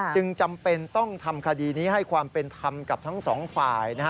จำเป็นต้องทำคดีนี้ให้ความเป็นธรรมกับทั้งสองฝ่าย